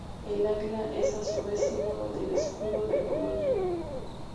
El águila es a su vez símbolo del escudo de Polonia.